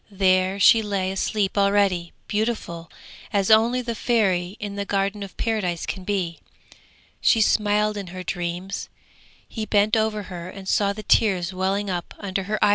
There she lay asleep already, beautiful as only the Fairy in the Garden of Paradise can be. She smiled in her dreams; he bent over her and saw the tears welling up under her eyelashes.